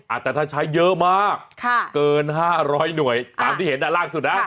อาจจะถ้าใช้เยอะมากเกิน๕๐๐หน่วยตามที่เห็นล่าสุดนะ